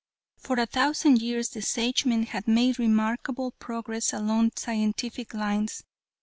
"For a thousand years the Sagemen had made remarkable progress along scientific lines.